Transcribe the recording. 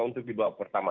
untuk dibawa pertama